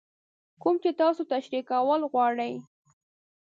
کوم چې تاسې تشرېح کول غواړئ.